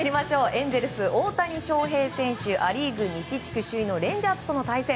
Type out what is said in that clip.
エンゼルス、大谷翔平選手ア・リーグ西地区首位のレンジャーズとの対戦。